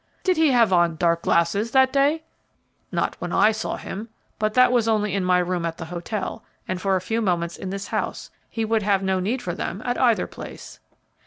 "Did he have on dark glasses that day?" "Not when I saw him, but that was only in my room at the hotel, and for a few moments in this house; he would have no need for them at either place."